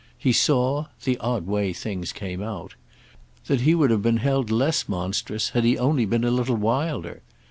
He saw—the odd way things came out!—that he would have been held less monstrous had he only been a little wilder.